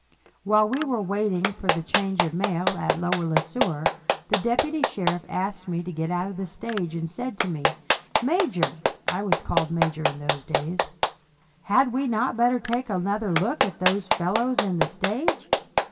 While we were waiting the change of mail at Lower Le Sueur, the deputy sheriff asked me to get out of the stage, and said to me: "Major [I was called major in those days], had we not better take another look at those fellows in the stage?